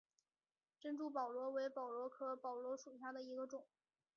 珍珠宝螺为宝螺科宝螺属下的一个种。